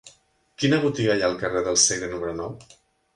Quina botiga hi ha al carrer del Segre número nou?